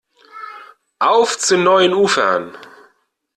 Auf zu neuen Ufern!